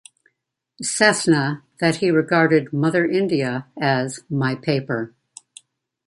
Sethna that he regarded 'Mother India' as "my paper".